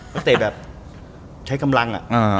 เตะแบบใช้กำลัง